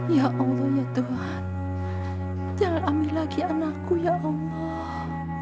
ya allah ya tuhan jangan ambil lagi anakku ya allah